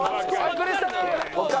クリスタル！